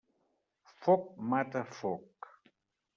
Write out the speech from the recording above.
Foc mata foc.